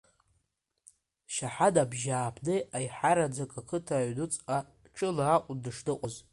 Шьаҳан абжьааԥны аиҳараӡак ақыҭа аҩнуҵҟа, ҽыла акәын дышныҟәоз.